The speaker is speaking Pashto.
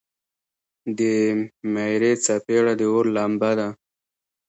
د میرې څپیړه د اور لمبه ده.